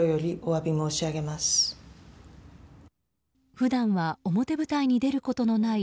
普段は表舞台に出ることのない